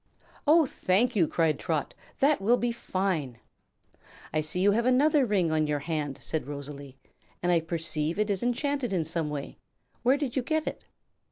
"Oh, thank you!" cried Trot. "That will be fine." "I see you have another ring on your hand," said Rosalie, "and I perceive it is enchanted in some way. Where did you get it?"